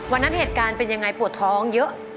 วันนั้นเหตุการณ์เป็นยังไงปวดท้องเยอะ